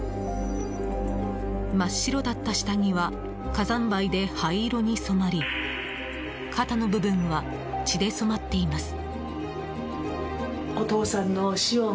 真っ白だった下着は火山灰で灰色に染まり肩の部分は血で染まっています。